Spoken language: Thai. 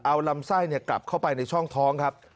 เอาลำไส้กลับเข้าไปในช่องท้องครับ